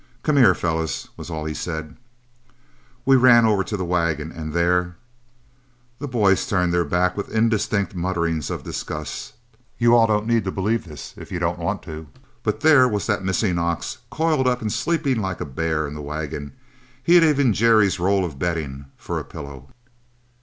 'Come here, fellows,' was all he said. "We ran over to the wagon and there" The boys turned their backs with indistinct mutterings of disgust. "You all don't need to believe this if you don't want to, but there was the missing ox, coiled up and sleeping like a bear in the wagon. He even had Jerry's roll of bedding for a pillow.